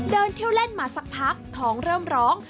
เดินเที่ยวเล่นมาสักพักของเริ่มร้อง